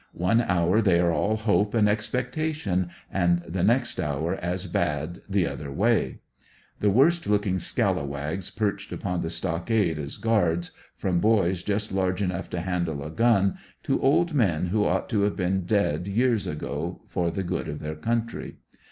One hour they are all hope and expectation and the next hour as bad the other way. The worst looking scallawags perched upon the stockade as t^uards, from boys just large enough to handle a gun, to old men who ought to have been dead years ago for the good of their country.